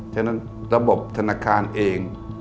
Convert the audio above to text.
ฉะนั้นระบบธนาคารเอง